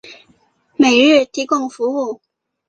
每日提供服务。